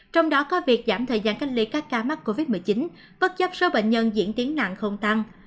trong đó có việc giảm thời gian cách ly các ca mắc covid một mươi chín bất chấp số bệnh nhân diễn tiến nặng không tăng